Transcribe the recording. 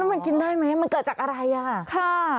มันกินได้ไหมมันเกิดจากอะไรอ่ะค่ะ